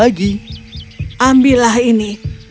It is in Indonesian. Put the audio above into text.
lagi ambilah ini